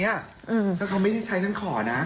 ถ้าเขาไม่ได้ใช้ฉันขอนะ